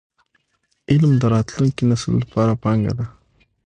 علم د راتلونکي نسل لپاره پانګه ده.